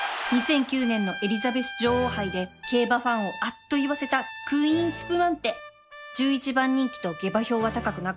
２００９年のエリザベス女王杯で競馬ファンを「あっ」と言わせたクィーンスプマンテ１１番人気と下馬評は高くなかった